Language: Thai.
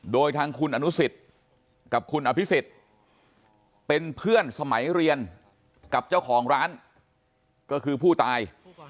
โดยทางคุณอนุสิตกับคุณอภิษฎเป็นเพื่อนสมัยเรียนกับเจ้าของร้านก็คือผู้ตาย